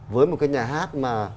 với một cái nhà hát mà